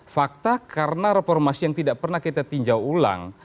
fakta karena reformasi yang tidak pernah kita tinjau ulang